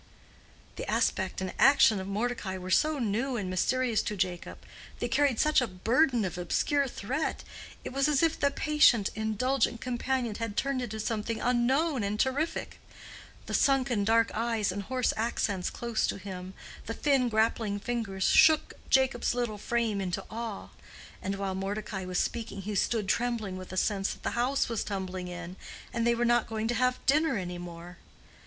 The aspect and action of Mordecai were so new and mysterious to Jacob—they carried such a burden of obscure threat—it was as if the patient, indulgent companion had turned into something unknown and terrific: the sunken dark eyes and hoarse accents close to him, the thin grappling fingers, shook Jacob's little frame into awe, and while Mordecai was speaking he stood trembling with a sense that the house was tumbling in and they were not going to have dinner any more.